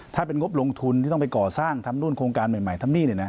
ถ้าเป็นงบลงทุนที่ต้องไปก่อสร้างทำนู่นโครงการใหม่ทำนี่